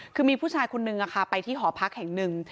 คือมีผู้ชายคนนึงไปที่หอพักแห่งหนึ่ง